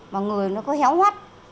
mà người nó có héo mắt